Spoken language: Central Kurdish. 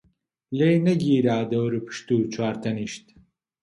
لێی نەگیرا دەوروپشت و چوار تەنیشت،